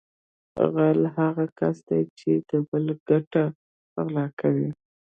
غل هغه کس دی چې د بل ګټه غلا کوي